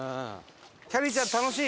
きゃりーちゃん楽しい？